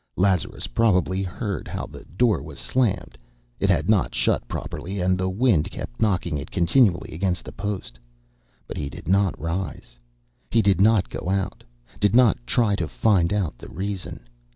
Lazarus probably heard how the door was slammed it had not shut properly and the wind kept knocking it continually against the post but he did not rise, did not go out, did not try to find out the reason.